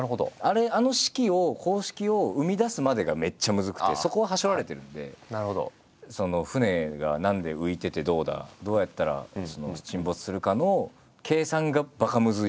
あの式を公式を生み出すまでがめっちゃむずくてそこははしょられてるんで船が何で浮いててどうだどうやったら沈没するかの計算がばかむずいんで。